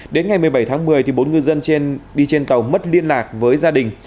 đến ngày một mươi bảy tháng một mươi bốn ngư dân trên đi trên tàu mất liên lạc với gia đình